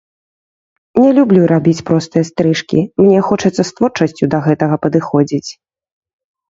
Не люблю рабіць простыя стрыжкі, мне хочацца з творчасцю да гэтага падыходзіць.